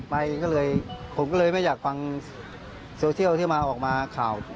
เองก็เลยผมก็เลยไม่อยากฟังโซเชียลที่มาออกมาข่าว